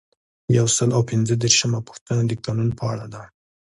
یو سل او پنځه دیرشمه پوښتنه د قانون په اړه ده.